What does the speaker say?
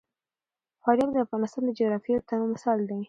فاریاب د افغانستان د جغرافیوي تنوع مثال دی.